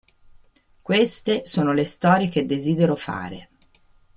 Queste sono le storie che desidero fare".